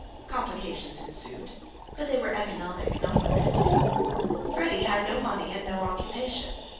Complications ensued; but they were economic, not romantic. Freddy had no money and no occupation.